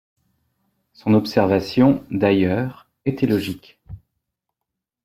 Son observation, d’ailleurs, était logique.